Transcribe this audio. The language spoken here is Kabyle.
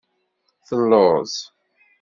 Telluẓ.